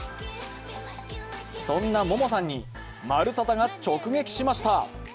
そんなＭＯＭＯさんに「まるサタ」が直撃しました。